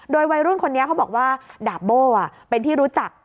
โดยวัยรุ่นคนนี้เขาบอกว่าดาบโบ้เป็นที่รู้จัก